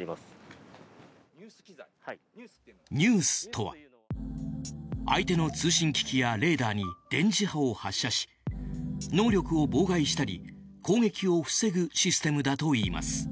ＮＥＷＳとは相手の通信機器やレーダーに電磁波を発射し能力を妨害したり攻撃を防ぐシステムだといいます。